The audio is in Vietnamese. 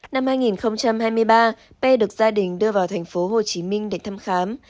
năm hai nghìn hai mươi ba p được gia đình đưa vào tp hcm để thăm khám